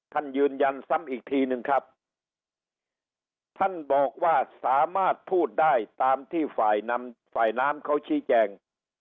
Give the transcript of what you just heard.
ท่านยืนยันซ้ำอีกทีนึงครับท่านบอกว่าสามารถพูดได้ตามที่ฝ่ายนำฝ่ายน้ำเขาชี้แจง